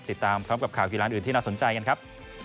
ติดตามพร้อมกับข่าวกีฬานอื่นที่น่าสนใจกันครับ